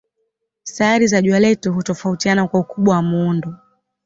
Sayari za jua letu hutofautiana kwa ukubwa na muundo.